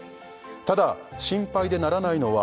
「ただ心配でならないのは」